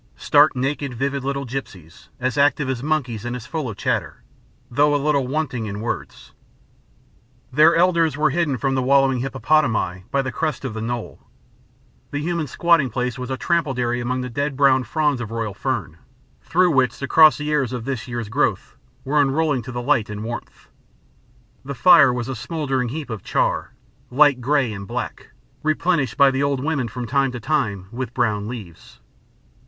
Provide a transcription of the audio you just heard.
Stark naked vivid little gipsies, as active as monkeys and as full of chatter, though a little wanting in words. Their elders were hidden from the wallowing hippopotami by the crest of the knoll. The human squatting place was a trampled area among the dead brown fronds of Royal Fern, through which the crosiers of this year's growth were unrolling to the light and warmth. The fire was a smouldering heap of char, light grey and black, replenished by the old women from time to time with brown leaves.